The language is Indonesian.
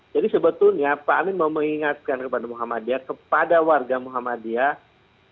jadi sebetulnya pak amin mau mengingatkan kepada muhammadiyah kepada warga muhammadiyah